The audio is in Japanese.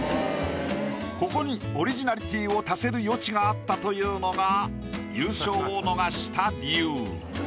ここにオリジナリティーを足せる余地があったというのが優勝を逃した理由。